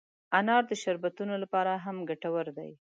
انار د شربتونو لپاره هم ګټور دی.